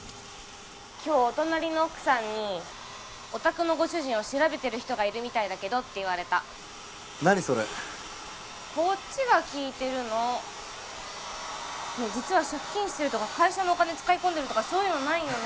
今日お隣の奥さんにお宅のご主人を調べてる人がいるみたいだけどって言われた何それこっちが聞いてるの実は借金してるとか会社のお金使い込んでるとかないよね？